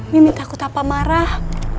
mimin takut apa marah